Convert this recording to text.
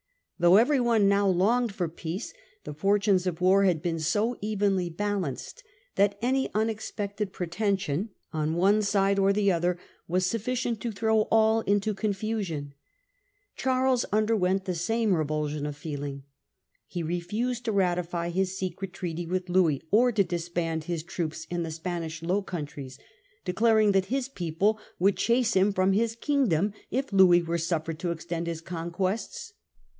Though every one now longed for peace, the fortunes of war had been so evenly balanced, that any unexpected pretension on one side or the other was sufficient to throw all back into confusion. Charles underwent the same revulsion of feeling. He refused to ratify his secret treaty with Louis, or to dis m.h. s 258 The Peace of Nimwe^en. 1678. band his troops in the Spanish Low Countries, declaring that his people would chase him from his kingdom if Louis were suffered to extend his conquests.